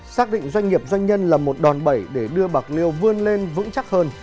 xác định doanh nghiệp doanh nhân là một đòn bẩy để đưa bạc liêu vươn lên vững chắc hơn